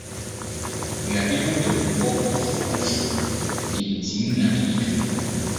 Aguade ho dawurubɔ foforo nso de ntimu na edi dwuma.